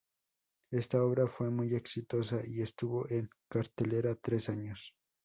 Esta obra fue muy exitosa y estuvo en cartelera tres años.